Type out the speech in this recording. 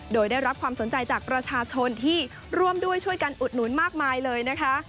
โดยได้รับความสนใจจากประชาชนที่ร่วมด้วยช่วยกันอุดหนุนมากมายเลยนะคะ